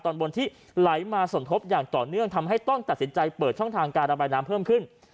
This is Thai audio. ตอนบนที่ไหลมาสมทบอย่างต่อเนื่องทำให้ต้องตัดสินใจเปิดช่องทางการระบายน้ำเพิ่มขึ้น